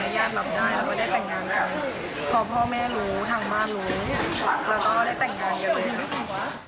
แล้วก็ขอบนว่าถ้าเกิดญาติรู้อย่างนี้ขออนุญาตหลับได้แล้วก็ได้แต่งงานกัน